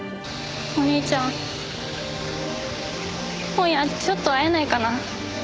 お兄ちゃん今夜ちょっと会えないかな？